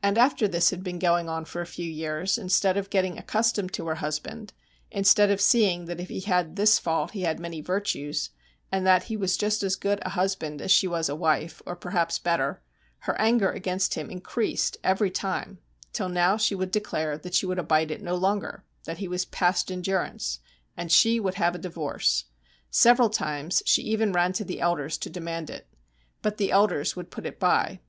And after this had been going on for a few years, instead of getting accustomed to her husband, instead of seeing that if he had this fault he had many virtues, and that he was just as good a husband as she was a wife, or perhaps better, her anger against him increased every time, till now she would declare that she would abide it no longer, that he was past endurance, and she would have a divorce; and several times she even ran to the elders to demand it. But the elders would put it by.